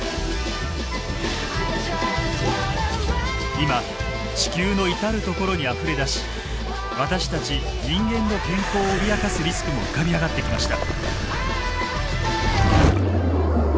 今地球の至る所にあふれ出し私たち人間の健康を脅かすリスクも浮かび上がってきました。